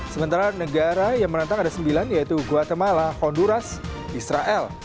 sementara negara yang menentang ada sembilan yaitu guatemala honduras israel